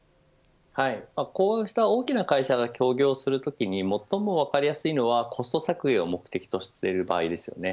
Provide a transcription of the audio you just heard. こうした大きな会社が協業するときに最も分かりやすいのはコスト削減を目的としている場合です。